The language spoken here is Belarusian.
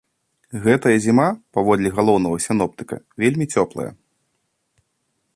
Гэтая зіма, паводле галоўнага сіноптыка, вельмі цёплая.